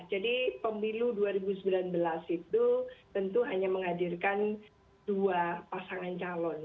jadi pemilu dua ribu sembilan belas itu tentu hanya menghadirkan dua pasangan calon